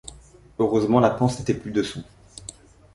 Heureusement la panse n’était plus dessous.